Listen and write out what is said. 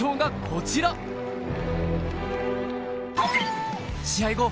こちら試合後